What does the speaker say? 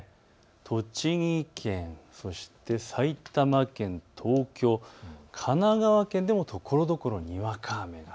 栃木県、そして埼玉県、東京、神奈川県でもところどころにわか雨。